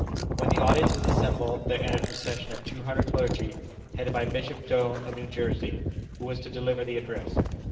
When the audience were assembled, there entered a procession of two hundred clergy, headed by Bishop Doane of New Jersey, who was to deliver the address.